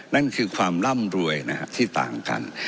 นั่นคือความร่ำรวยนะฮะที่ต่างกัน